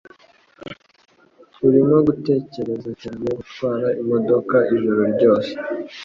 Urimo gutekereza cyane gutwara imodoka ijoro ryose?